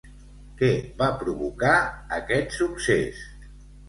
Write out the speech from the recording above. Què va provocar aquest succés?